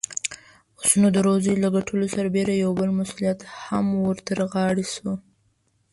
اوس، نو د روزۍ له ګټلو سربېره يو بل مسئوليت هم ور ترغاړې شو.